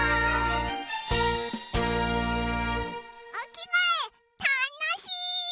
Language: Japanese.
おきがえたのしい！